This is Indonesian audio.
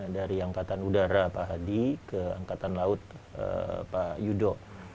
dari angkatan udara pak hadi ke angkatan laut pak yudo